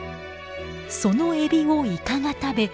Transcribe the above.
そのエビをイカが食べ